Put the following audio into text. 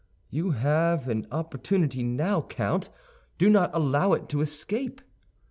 You have an opportunity now, Count; do not allow it to escape."